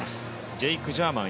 ジェイク・ジャーマン